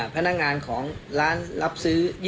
พนักงานของร้านรับซื้อ